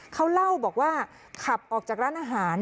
เขาเล่าบอกว่าขับออกจากร้านอาหาร